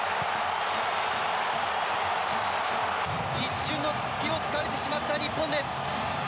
一瞬の隙を突かれてしまった日本です。